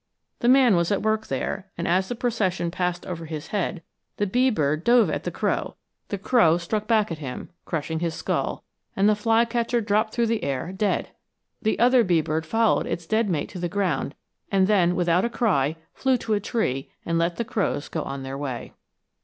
The man was at work there, and as the procession passed over his head the bee bird dove at the crow; the crow struck back at him, crushing his skull, and the flycatcher dropped through the air, dead! The other bee bird followed its dead mate to the ground, and then, without a cry, flew to a tree and let the crows go on their way.